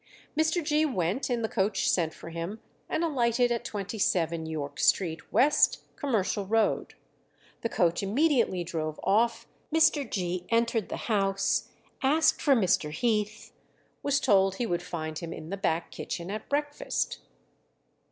Mr. Gee went in the coach sent for him, and alighted at 27, York Street, West, Commercial Road. The coach immediately drove off; Mr. Gee entered the house, asked for Mr. Heath, was told he would find him in the back kitchen at breakfast.